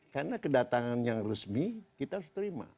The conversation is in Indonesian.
karena kedatangan yang resmi kita harus terima